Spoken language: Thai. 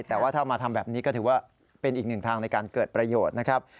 แต่ว่าถ้ามาทำแบบนี้ก็ถือว่าเป็นอีกหนึ่งทางในการเกิดประโยชน์นะครับ